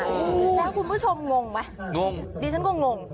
แล้วคุณผู้ชมงงไหมงงดิฉันก็งง